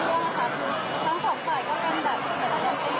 คุณผู้สามารถได้คิดคุณผู้สามารถได้คิด